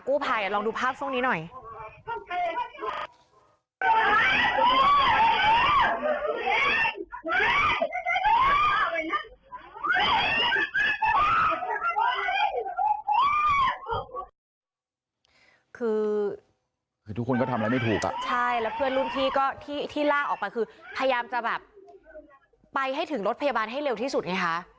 คือคือทุกคนก็ทำแล้วไม่ถูกอ่ะใช่แล้วเพื่อนรุ่นที่ก็ที่ที่ล่าออกไปคือพยายามจะแบบไปให้ถึงรถพยาบาลให้เร็วที่สุดไงคะ